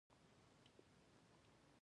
څلورم دی.